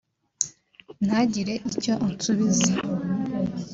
» Ntagire icyo ansubiza